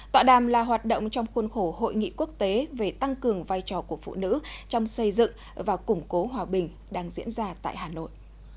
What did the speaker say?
tọa đàm là hoạt động trong khuôn khổ hội nghị quốc tế về tăng cường vai trò của phụ nữ trong xây dựng và củng cố hòa bình đang diễn ra tại hà nội